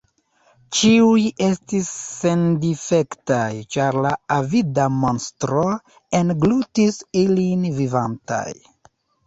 Ĉiuj estis sendifektaj, ĉar la avida monstro englutis ilin vivantaj.